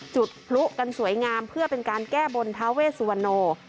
จุดพลุกันสวยงามเพื่อเป็นการแก้บนทาเวสุวรรณโน